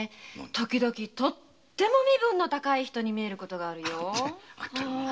時々とっても身分の高い人に見えることがあるよ。